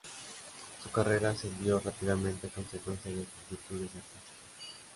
Su carrera ascendió rápidamente a consecuencia de sus virtudes artísticas.